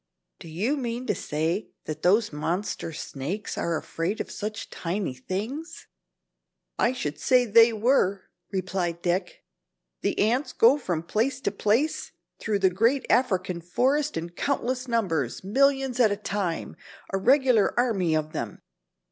"Do you mean to say that those monster snakes are afraid of such tiny things?" "I should say they were," replied Dick, "the ants go from place to place through the great African forest in countless numbers, millions at a time, a regular army of them.